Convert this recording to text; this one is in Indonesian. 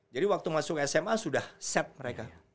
jadi waktu masuk sma sudah set mereka